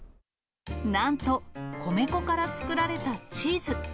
なんと、米粉から作られたチーズ。